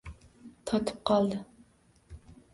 Totib qoldi